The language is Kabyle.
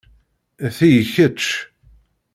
Ti i kečč.